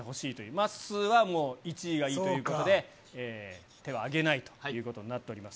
まっすーはもう、１位がいいということで、手は挙げないということになっております。